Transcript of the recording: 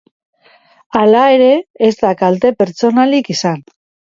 Hala ere, ez da kalte pertsonalik izan.